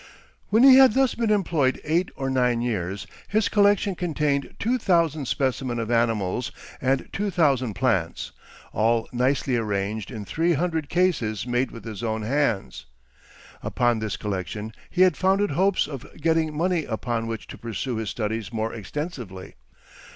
When he had thus been employed eight or nine years, his collection contained two thousand specimens of animals and two thousand plants, all nicely arranged in three hundred cases made with his own hands. Upon this collection he had founded hopes of getting money upon which to pursue his studies more extensively.